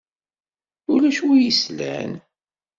Ulac win i s-yeslan.